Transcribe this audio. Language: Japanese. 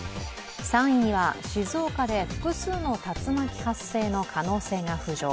３位には静岡で複数の竜巻発生の可能性が浮上。